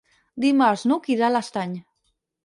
Dimarts n'Hug irà a l'Estany.